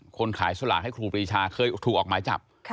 คนขายสลากให้ครูปรีชาเคยถูกออกหมายจับ